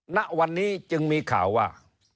ณวันนี้จึงมีข่าวว่า